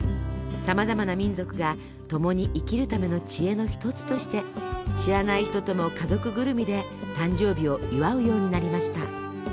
さまざまな民族が共に生きるための知恵の一つとして知らない人とも家族ぐるみで誕生日を祝うようになりました。